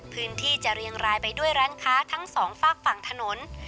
พื้นที่จะเรียงรายไปด้วยร้านค้าทั้งสองฝากฝั่งถนน